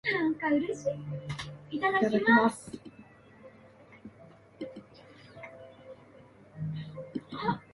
指先が柔らかい何かに触れる